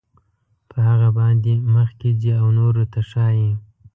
په هغه باندې مخکې ځي او نورو ته ښایي.